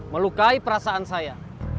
melukai perasaan saya